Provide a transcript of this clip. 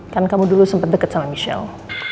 kan kamu dulu sempat dekat sama michelle